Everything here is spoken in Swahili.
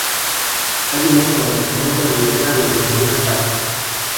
Hadi mwaka wa elfu moja mia nane hamsini na tatu